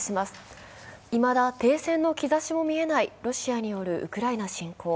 いまだ停戦の兆しも見えないロシアによるウクライナ侵攻。